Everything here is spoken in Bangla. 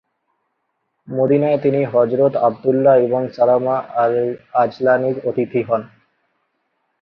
মদীনায় তিনি হযরত আবদুল্লাহ্ ইবন সালামা আল-আজলানীর অতিথি হন।